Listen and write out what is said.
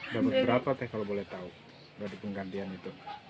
dapat berapa teh kalau boleh tahu dari penggantian itu